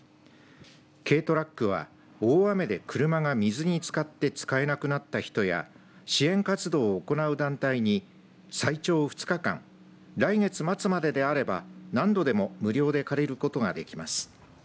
軽トラックは大雨で車が水につかって使えなくなった人や支援活動を行う団体に最長２日間来月末までであれば何度でも無料で借りることができます。